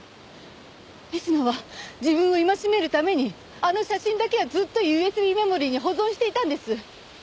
水野は自分を戒めるためにあの写真だけはずっとＵＳＢメモリーに保存していたんです。